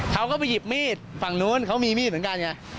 เขาก็ไปหยิบมีดฝั่งนู้นเขามีมีดเหมือนกันไง